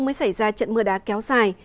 mới xảy ra trận mưa đá kéo dài